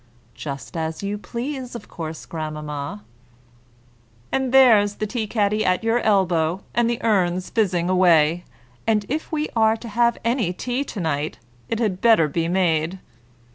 "Just as you please, of course, grandmamma." "And there's the tea caddy at your elbow, and the urn's fizzing away, and if we are to have any tea to night, it had better be made."